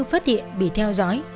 phát hiện bị theo dõi